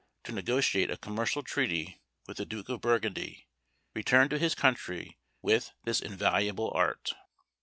to negotiate a commercial treaty with the Duke of Burgundy, returned to his country with this invaluable art.